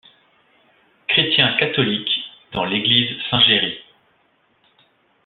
Chrétien catholique dans l'église Saint Géry.